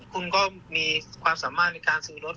คุณก็มีความสามารถในการซื้อรถ